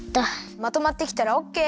まとまってきたらオッケー！